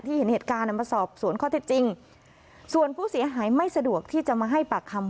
เห็นเหตุการณ์มาสอบสวนข้อเท็จจริงส่วนผู้เสียหายไม่สะดวกที่จะมาให้ปากคำ